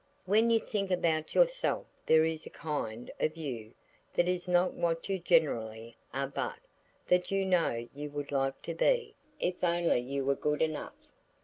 When you think about yourself there is a kind of you that is not what you generally are but that you know you would like to be if only you were good enough.